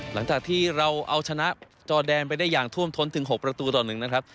หลังจากที่เราเอาชนะจอแดนไปได้อย่างท่วมท้นถึง๖ประตูต่อ๑นะครับ